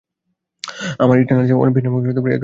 আমরা Eternals, Olympia নামক এক গ্রহ থেকে এসেছি।